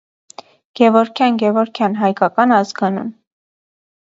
Գևորգյան Գևորգյան, հայկական ազգանուն։